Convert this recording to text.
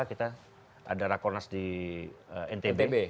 kita ada rakornas di ntb